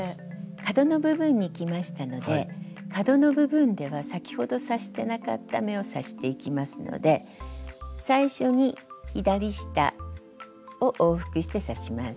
角の部分にきましたので角の部分では先ほど刺してなかった目を刺していきますので最初に左下を往復して刺します。